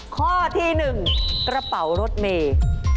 ข้อที่๑กระเป๋ารถเมย์